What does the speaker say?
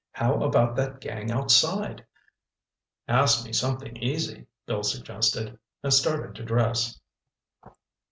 How about that gang outside?" "Ask me something easy," Bill suggested, and started to dress.